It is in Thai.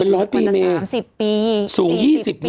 เป็นร้อยปีไหมสูง๒๐ปี